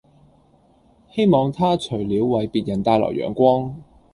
希望他除了為別人帶來陽光